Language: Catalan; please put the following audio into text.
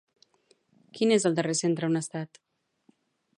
Quin és el darrer centre on ha estat?